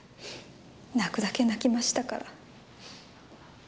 泣くだけ泣きましたから。